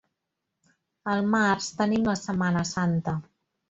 Al març tenim la Setmana Santa.